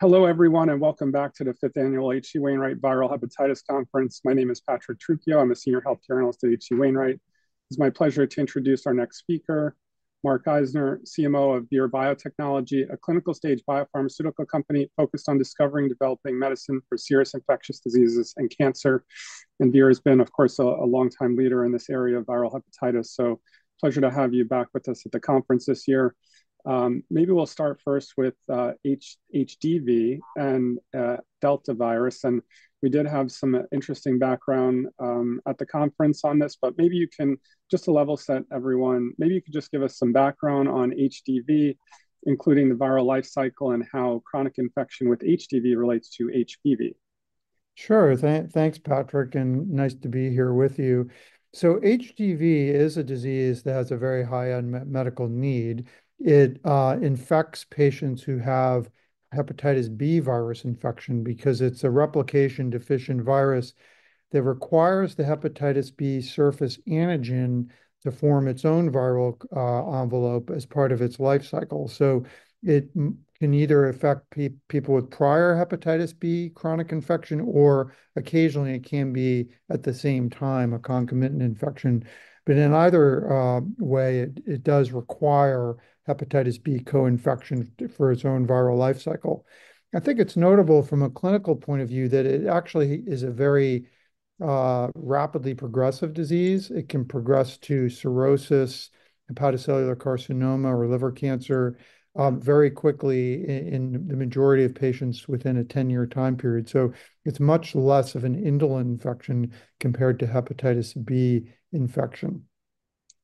Hello, everyone, and welcome back to the 5th Annual H.C. Wainwright Viral Hepatitis Conference. My name is Patrick Trucchio. I'm a Managing Director and Senior Healthcare Analyst at H.C. Wainwright. It's my pleasure to introduce our next speaker, Mark Eisner, CMO of Vir Biotechnology, a clinical stage biopharmaceutical company focused on discovering and developing medicine for serious infectious diseases and cancer. And Vir has been, of course, a longtime leader in this area of viral hepatitis. So, pleasure to have you back with us at the conference this year. Maybe we'll start first with HDV and Delta virus. And we did have some interesting background at the conference on this, but maybe you can just to level set everyone, maybe you could just give us some background on HDV, including the viral life cycle and how chronic infection with HDV relates to HBV. Sure. Thanks, Patrick, and nice to be here with you. So, HDV is a disease that has a very high medical need. It infects patients who have hepatitis B virus infection because it's a replication deficient virus that requires the hepatitis B surface antigen to form its own viral envelope as part of its life cycle. So, it can either affect people with prior hepatitis B chronic infection, or occasionally it can be at the same time a concomitant infection. But in either way, it does require hepatitis B co-infection for its own viral life cycle. I think it's notable from a clinical point of view that it actually is a very rapidly progressive disease. It can progress to cirrhosis, hepatocellular carcinoma, or liver cancer very quickly in the majority of patients within a 10 year time period. So, it's much less of an indolent infection compared to hepatitis B infection.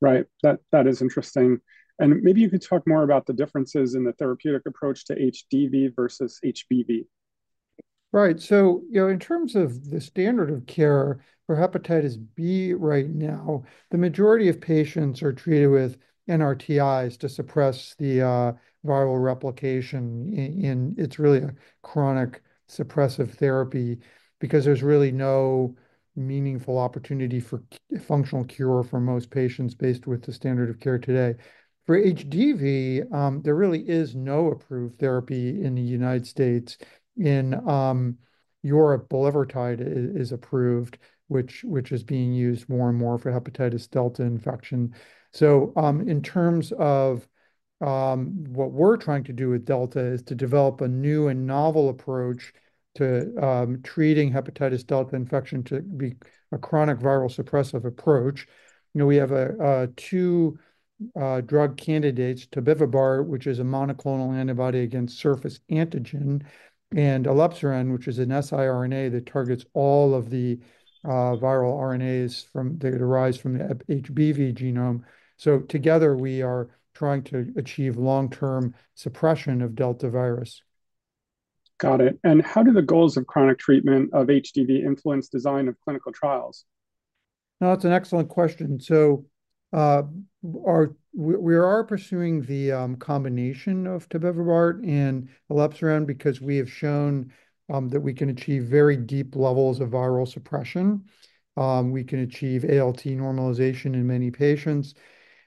Right. That is interesting, and maybe you could talk more about the differences in the therapeutic approach to HDV versus HBV? Right. So, you know, in terms of the standard of care for hepatitis B right now, the majority of patients are treated with NRTIs to suppress the viral replication. It's really a chronic suppressive therapy because there's really no meaningful opportunity for functional cure for most patients based with the standard of care today. For HDV, there really is no approved therapy in the United States. In Europe, bulevirtide is approved, which is being used more and more for hepatitis delta infection. So, in terms of what we're trying to do with delta is to develop a new and novel approach to treating hepatitis delta infection to be a chronic viral suppressive approach. You know, we have two drug candidates: tobevibart, which is a monoclonal antibody against surface antigen, and elebsiran, which is an siRNA that targets all of the viral RNAs that arise from the HBV genome. Together, we are trying to achieve long-term suppression of Delta virus. Got it. And how do the goals of chronic treatment of HDV influence the design of clinical trials? That's an excellent question. So, we are pursuing the combination of tobevibart and elebsiran because we have shown that we can achieve very deep levels of viral suppression. We can achieve ALT normalization in many patients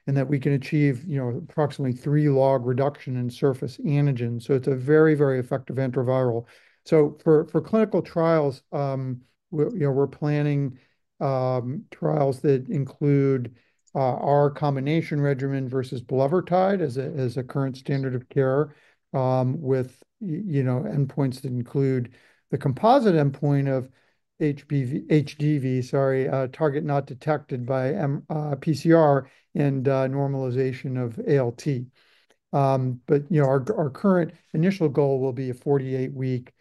and that we can achieve, you know, approximately three log reduction in surface antigen. So, it's a very, very effective antiviral. So, for clinical trials, you know, we're planning trials that include our combination regimen versus bulevirtide as a current standard of care with, you know, endpoints that include the composite endpoint of HDV, sorry, target not detected by PCR and normalization of ALT. But, you know, our current initial goal will be a 48-week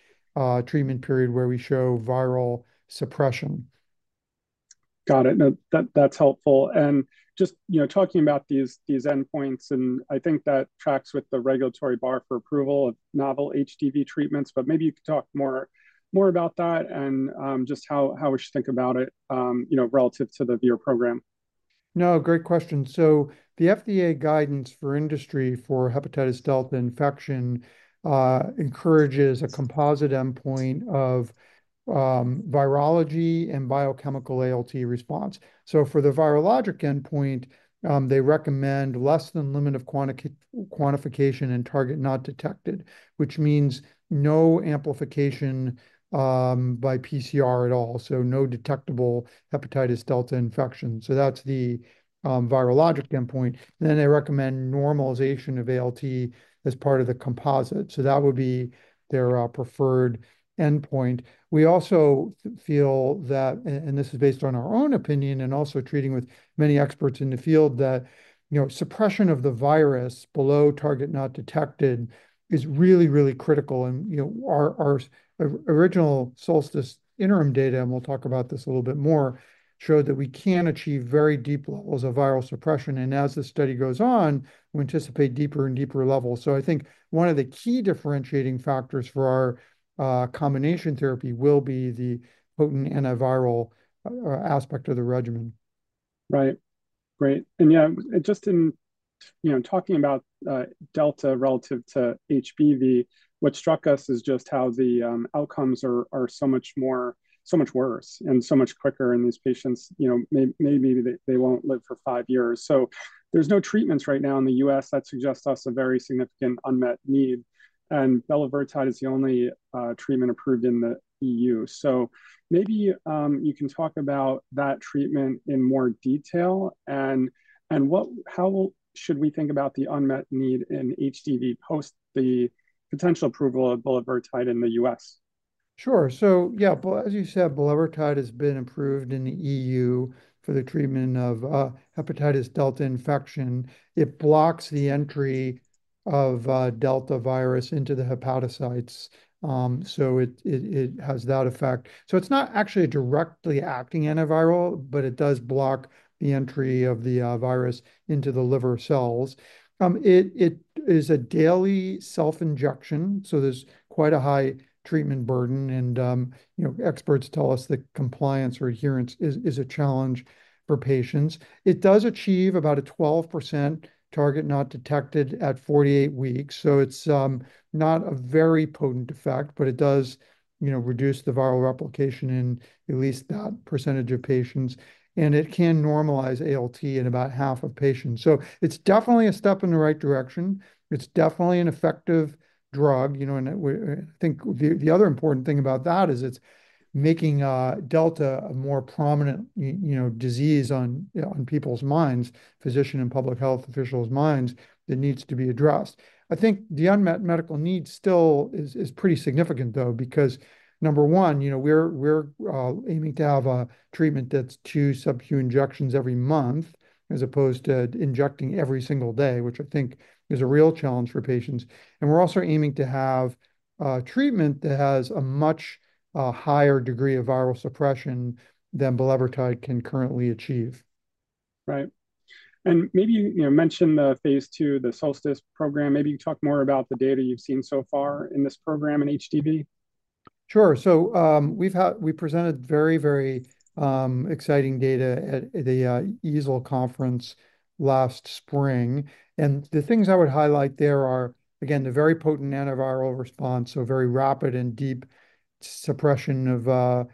treatment period where we show viral suppression. Got it. No, that's helpful, and just, you know, talking about these endpoints, and I think that tracks with the regulatory bar for approval of novel HDV treatments, but maybe you could talk more about that and just how we should think about it, you know, relative to the Vir program? No, great question. So, the FDA guidance for industry for hepatitis Delta infection encourages a composite endpoint of virology and biochemical ALT response. So, for the virologic endpoint, they recommend less than limit of quantification and target not detected, which means no amplification by PCR at all. So, no detectable hepatitis Delta infection. So, that's the virologic endpoint. Then they recommend normalization of ALT as part of the composite. So, that would be their preferred endpoint. We also feel that, and this is based on our own opinion and also treating with many experts in the field, that, you know, suppression of the virus below target not detected is really, really critical. And, you know, our original SOLSTICE interim data, and we'll talk about this a little bit more, showed that we can achieve very deep levels of viral suppression. As the study goes on, we anticipate deeper and deeper levels. I think one of the key differentiating factors for our combination therapy will be the potent antiviral aspect of the regimen. Right. Great. And yeah, just in, you know, talking about Delta relative to HBV, what struck us is just how the outcomes are so much worse and so much quicker in these patients. You know, maybe they won't live for five years. So, there's no treatments right now in the U.S. that suggests us a very significant unmet need. And bulevirtide is the only treatment approved in the E.U. So, maybe you can talk about that treatment in more detail and how should we think about the unmet need in HDV post the potential approval of bulevirtide in the U.S.? Sure. So, yeah, well, as you said, bulevirtide has been approved in the E.U. for the treatment of hepatitis delta infection. It blocks the entry of delta virus into the hepatocytes. So, it has that effect. So, it's not actually a directly acting antiviral, but it does block the entry of the virus into the liver cells. It is a daily self-injection. So, there's quite a high treatment burden. And, you know, experts tell us that compliance or adherence is a challenge for patients. It does achieve about a 12% Target Not Detected at 48 weeks. So, it's not a very potent effect, but it does, you know, reduce the viral replication in at least that percentage of patients. And it can normalize ALT in about half of patients. So, it's definitely a step in the right direction. It's definitely an effective drug. You know, and I think the other important thing about that is it's making Delta a more prominent, you know, disease on people's minds, physician and public health officials' minds that needs to be addressed. I think the unmet medical need still is pretty significant, though, because number one, you know, we're aiming to have a treatment that's two subcu injections every month as opposed to injecting every single day, which I think is a real challenge for patients. And we're also aiming to have treatment that has a much higher degree of viral suppression than bulevirtide can currently achieve. Right, and maybe you mentioned the phase 2, the SOLSTICE program. Maybe you can talk more about the data you've seen so far in this program in HDV. Sure. So, we presented very, very exciting data at the EASL conference last spring. And the things I would highlight there are, again, the very potent antiviral response, so very rapid and deep suppression of the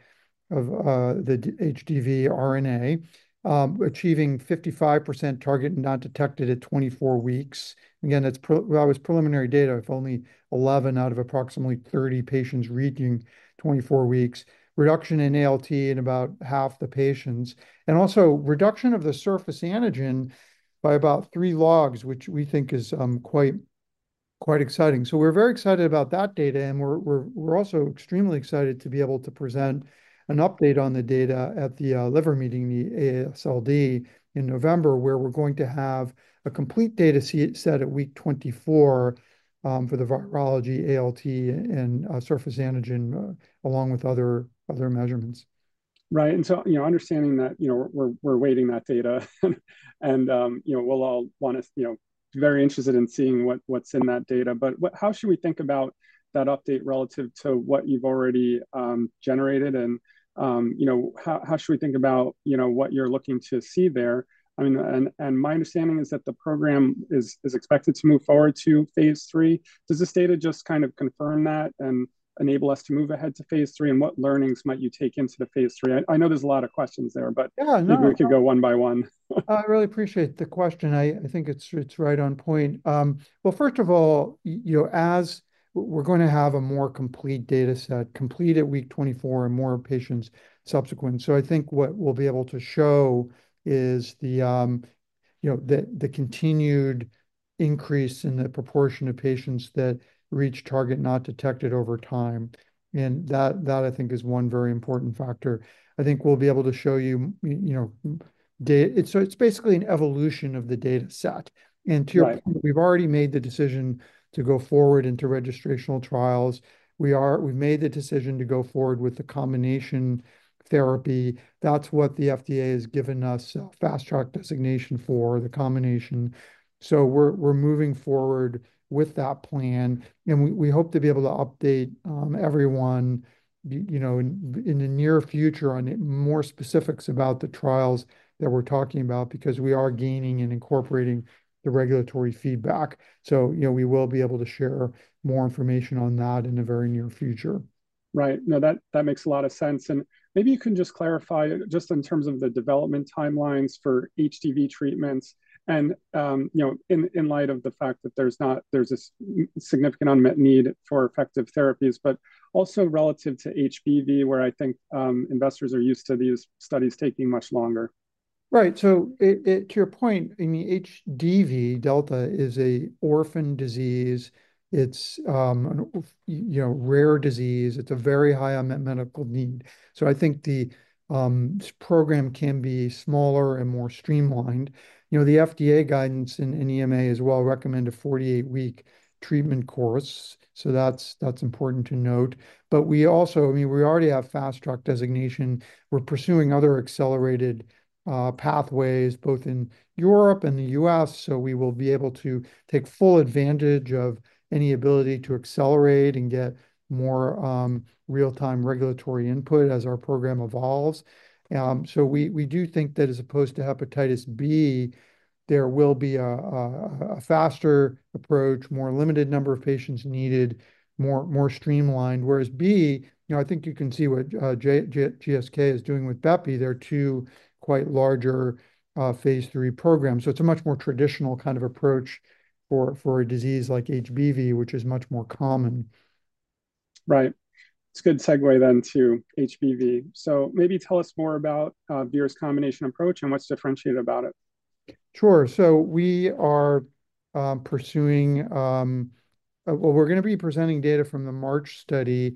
HDV RNA, achieving 55% target not detected at 24 weeks. Again, that was preliminary data, if only 11 out of approximately 30 patients reaching 24 weeks, reduction in ALT in about half the patients, and also reduction of the surface antigen by about three logs, which we think is quite exciting. So, we're very excited about that data. And we're also extremely excited to be able to present an update on the data at the Liver Meeting, the AASLD, in November, where we're going to have a complete data set at week 24 for the virology, ALT, and surface antigen, along with other measurements. Right. And so, you know, understanding that, you know, we're waiting that data, and, you know, we'll all want to, you know, be very interested in seeing what's in that data. But how should we think about that update relative to what you've already generated? And, you know, how should we think about, you know, what you're looking to see there? I mean, and my understanding is that the program is expected to move forward to phase three. Does this data just kind of confirm that and enable us to move ahead to phase three? And what learnings might you take into the phase three? I know there's a lot of questions there, but maybe we could go one-by-one. I really appreciate the question. I think it's right on point. First of all, you know, as we're going to have a more complete data set, complete at week 24 and more patients subsequent. So, I think what we'll be able to show is the, you know, the continued increase in the proportion of patients that reach Target Not Detected over time. And that, I think, is one very important factor. I think we'll be able to show you, you know, it's basically an evolution of the data set. And to your point, we've already made the decision to go forward into registrational trials. We've made the decision to go forward with the combination therapy. That's what the FDA has given us a fast track designation for, the combination. So, we're moving forward with that plan. We hope to be able to update everyone, you know, in the near future on more specifics about the trials that we're talking about because we are gaining and incorporating the regulatory feedback. You know, we will be able to share more information on that in the very near future. Right. No, that makes a lot of sense. And maybe you can just clarify just in terms of the development timelines for HDV treatments and, you know, in light of the fact that there's this significant unmet need for effective therapies, but also relative to HBV, where I think investors are used to these studies taking much longer. Right. So, to your point, I mean, HDV, Delta is an orphan disease. It's, you know, a rare disease. It's a very high unmet medical need. So, I think the program can be smaller and more streamlined. You know, the FDA guidance and EMA as well recommend a 48 week treatment course. So, that's important to note. But we also, I mean, we already have fast track designation. We're pursuing other accelerated pathways both in Europe and the U.S. So, we will be able to take full advantage of any ability to accelerate and get more real-time regulatory input as our program evolves. So, we do think that as opposed to hepatitis B, there will be a faster approach, more limited number of patients needed, more streamlined. Whereas B, you know, I think you can see what GSK is doing with Beppi. They're two quite larger phase three programs. So, it's a much more traditional kind of approach for a disease like HBV, which is much more common. Right. It's a good segue then to HBV. So, maybe tell us more about Vir's combination approach and what's differentiated about it? Sure. So, we are pursuing, well, we're going to be presenting data from the MARCH study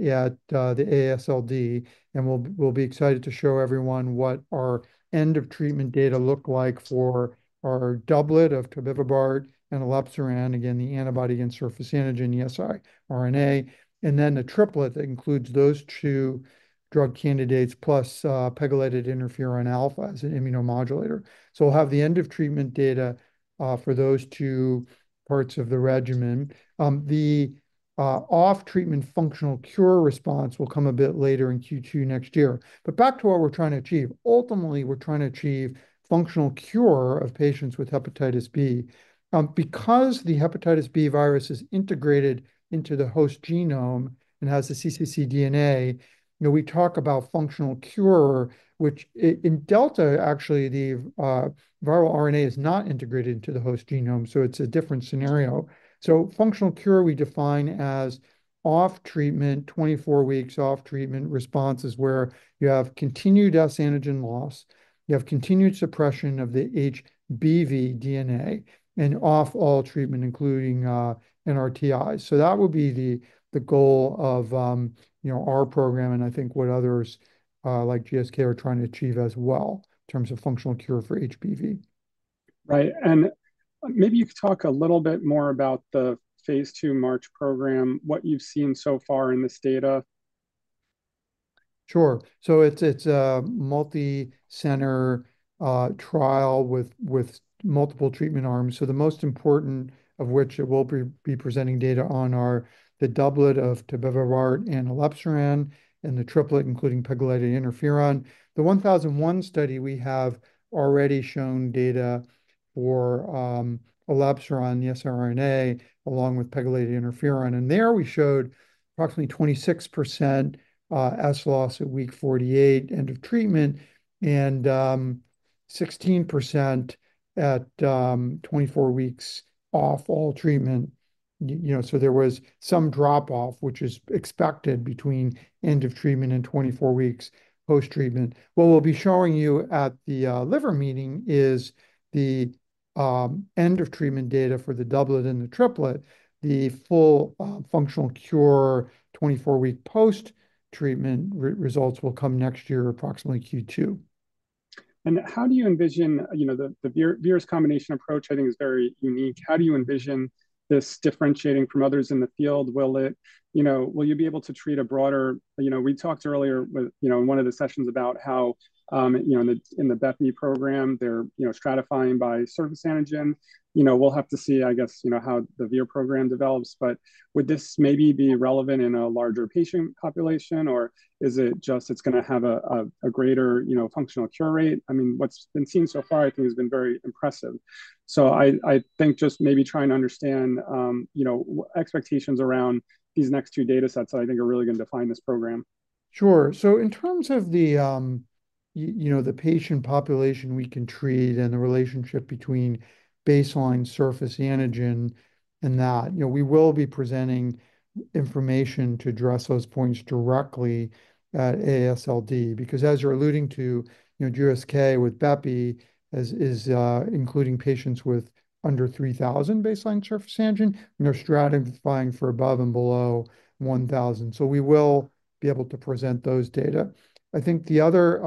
at the AASLD, and we'll be excited to show everyone what our end-of-treatment data look like for our doublet of tobevibart and elebsiran, again, the antibody and surface antigen, the siRNA, and then the triplet that includes those two drug candidates plus pegylated interferon alpha as an immunomodulator. So, we'll have the end-of-treatment data for those two parts of the regimen. The off-treatment functional cure response will come a bit later in Q2 next year. But back to what we're trying to achieve. Ultimately, we're trying to achieve functional cure of patients with hepatitis B. Because the hepatitis B virus is integrated into the host genome and has the cccDNA, you know, we talk about functional cure, which in Delta, actually, the viral RNA is not integrated into the host genome. It's a different scenario. Functional cure we define as off-treatment, 24 weeks off-treatment responses where you have continued HBsAg loss, you have continued suppression of the HBV DNA, and off all treatment, including NRTIs. That will be the goal of, you know, our program and I think what others like GSK are trying to achieve as well in terms of functional cure for HBV. Right, and maybe you could talk a little bit more about the phase 2 MARCH program, what you've seen so far in this data. Sure. So, it's a multi-center trial with multiple treatment arms, so the most important of which it will be presenting data on are the doublet of tobevibart and elebsiran and the triplet, including pegylated interferon. The 1001 study we have already shown data for elebsiran, the siRNA, along with pegylated interferon. And there we showed approximately 26% S loss at week 48 end-of-treatment and 16% at 24 weeks off all treatment. You know, so there was some drop-off, which is expected between end-of-treatment and 24 weeks post-treatment. What we'll be showing you at the Liver Meeting is the end-of-treatment data for the doublet and the triplet. The full functional cure 24-week post-treatment results will come next year, approximately Q2. And how do you envision, you know, the Vir's combination approach, I think, is very unique. How do you envision this differentiating from others in the field? Will it, you know, will you be able to treat a broader, you know, we talked earlier with, you know, in one of the sessions about how, you know, in the Beppi program, they're, you know, stratifying by surface antigen. You know, we'll have to see, I guess, you know, how the Vir program develops. But would this maybe be relevant in a larger patient population, or is it just it's going to have a greater, you know, functional cure rate? I mean, what's been seen so far, I think, has been very impressive. So, I think just maybe trying to understand, you know, expectations around these next two data sets that I think are really going to define this program. Sure. So, in terms of the, you know, the patient population we can treat and the relationship between baseline surface antigen and that, you know, we will be presenting information to address those points directly at AASLD because, as you're alluding to, you know, GSK with Beppi is including patients with under 3,000 baseline surface antigen, and they're stratifying for above and below 1,000, so we will be able to present those data. I think the other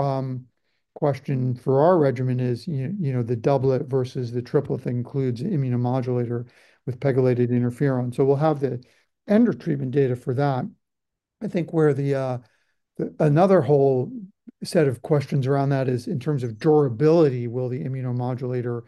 question for our regimen is, you know, the doublet versus the triplet that includes immunomodulator with pegylated interferon, so we'll have the end-of-treatment data for that. I think where the another whole set of questions around that is in terms of durability, will the immunomodulator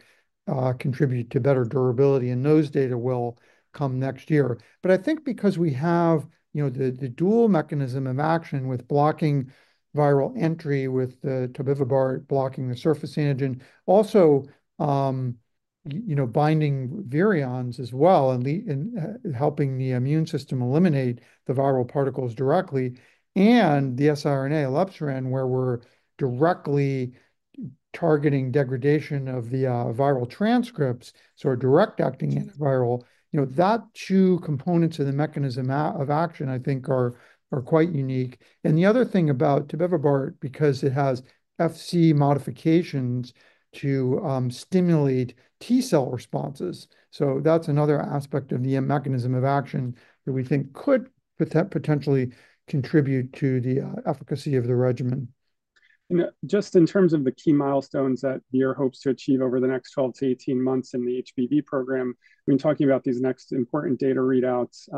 contribute to better durability, and those data will come next year. But I think because we have, you know, the dual mechanism of action with blocking viral entry with the tobevibart blocking the surface antigen, also, you know, binding virions as well and helping the immune system eliminate the viral particles directly. And the siRNA, elebsiran, where we're directly targeting degradation of the viral transcripts, so a direct-acting antiviral, you know, that two components of the mechanism of action, I think, are quite unique. And the other thing about tobevibart, because it has Fc modifications to stimulate T-cell responses. So, that's another aspect of the mechanism of action that we think could potentially contribute to the efficacy of the regimen. Just in terms of the key milestones that Vir hopes to achieve over the next 12 to 18 months in the HBV program, we've been talking about these next important data readouts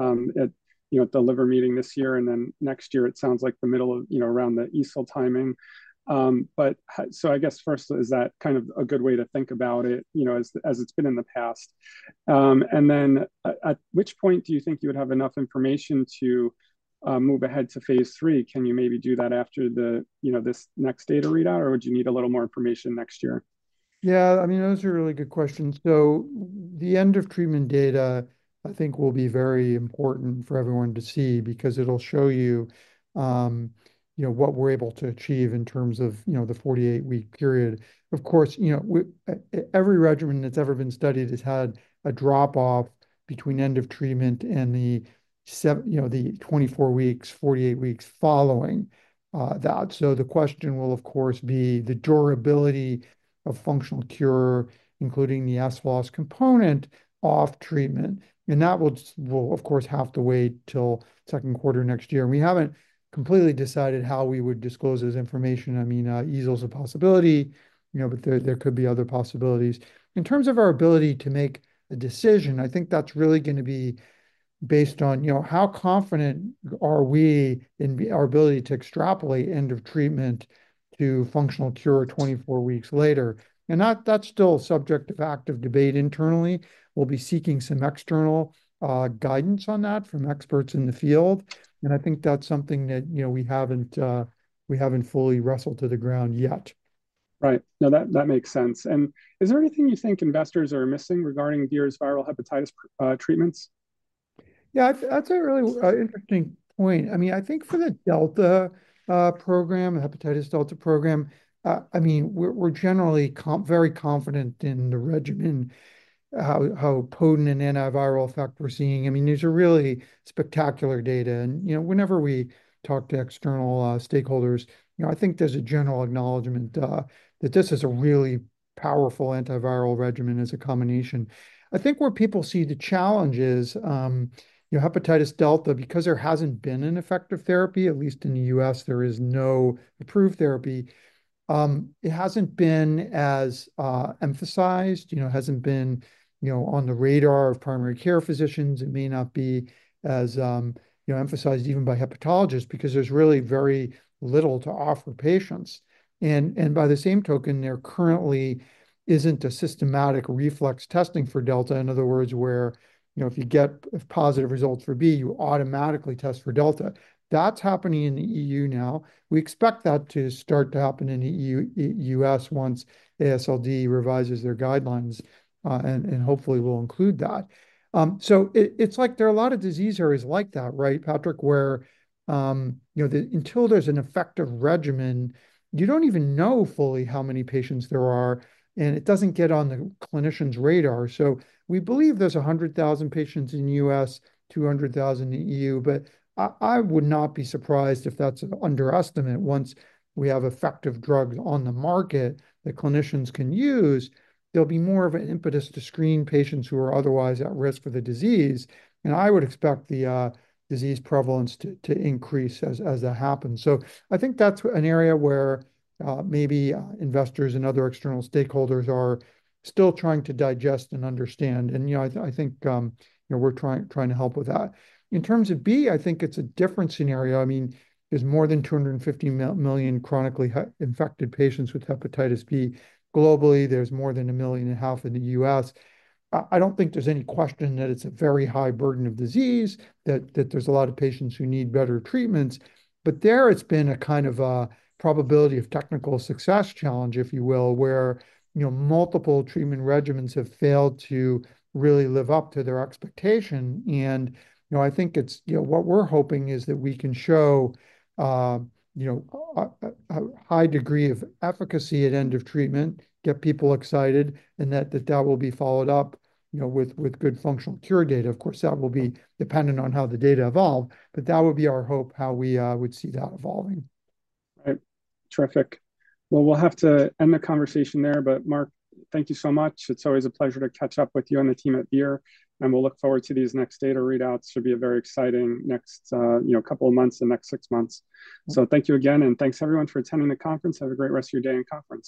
at, you know, at The Liver Meeting this year and then next year. It sounds like the middle of, you know, around the EASL timing. So, I guess first, is that kind of a good way to think about it, you know, as it's been in the past? And then at which point do you think you would have enough information to move ahead to phase three? Can you maybe do that after the, you know, this next data readout, or would you need a little more information next year? Yeah, I mean, those are really good questions. So, the end-of-treatment data, I think, will be very important for everyone to see because it'll show you, you know, what we're able to achieve in terms of, you know, the 48 week period. Of course, you know, every regimen that's ever been studied has had a drop-off between end-of-treatment and the, you know, the 24 weeks, 48 weeks following that. So, the question will, of course, be the durability of functional cure, including the S loss component off-treatment. And that will, of course, have to wait till second quarter next year. And we haven't completely decided how we would disclose this information. I mean, EASL is a possibility, you know, but there could be other possibilities. In terms of our ability to make a decision, I think that's really going to be based on, you know, how confident are we in our ability to extrapolate end-of-treatment to functional cure 24 weeks later? And that's still a subject of active debate internally. We'll be seeking some external guidance on that from experts in the field. And I think that's something that, you know, we haven't fully wrestled to the ground yet. Right. No, that makes sense. And is there anything you think investors are missing regarding Vir's viral hepatitis treatments? Yeah, that's a really interesting point. I mean, I think for the delta program, the hepatitis delta program, I mean, we're generally very confident in the regimen, how potent an antiviral effect we're seeing. I mean, these are really spectacular data. And, you know, whenever we talk to external stakeholders, you know, I think there's a general acknowledgment that this is a really powerful antiviral regimen as a combination. I think where people see the challenge is, you know, hepatitis delta, because there hasn't been an effective therapy, at least in the U.S., there is no approved therapy, it hasn't been as emphasized, you know, hasn't been, you know, on the radar of primary care physicians. It may not be as, you know, emphasized even by hepatologists because there's really very little to offer patients. By the same token, there currently isn't a systematic reflex testing for Delta, in other words, where, you know, if you get a positive result for B, you automatically test for Delta. That's happening in the E.U.now. We expect that to start to happen in the U.S. once AASLD revises their guidelines and hopefully will include that. It's like there are a lot of disease areas like that, right, Patrick, where, you know, until there's an effective regimen, you don't even know fully how many patients there are, and it doesn't get on the clinician's radar. We believe there's 100,000 patients in the U.S., 200,000 in the E.U., but I would not be surprised if that's an underestimate once we have effective drugs on the market that clinicians can use. There'll be more of an impetus to screen patients who are otherwise at risk for the disease. And I would expect the disease prevalence to increase as that happens. So, I think that's an area where maybe investors and other external stakeholders are still trying to digest and understand. And, you know, I think, you know, we're trying to help with that. In terms of B, I think it's a different scenario. I mean, there's more than 250 million chronically infected patients with hepatitis B. Globally, there's more than 1.5 million in the U.S. I don't think there's any question that it's a very high burden of disease, that there's a lot of patients who need better treatments. But there, it's been a kind of a probability of technical success challenge, if you will, where, you know, multiple treatment regimens have failed to really live up to their expectation, and, you know, I think it's, you know, what we're hoping is that we can show, you know, a high degree of efficacy at end-of-treatment, get people excited, and that that will be followed up, you know, with good functional cure data. Of course, that will be dependent on how the data evolve, but that would be our hope, how we would see that evolving. Right. Terrific. Well, we'll have to end the conversation there, but Mark, thank you so much. It's always a pleasure to catch up with you and the team at Vir. And we'll look forward to these next data readouts. It should be a very exciting next, you know, couple of months, the next six months. So, thank you again, and thanks everyone for attending the conference. Have a great rest of your day and conference.